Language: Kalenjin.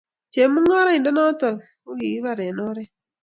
Chemungaraindet neton kokipar en oret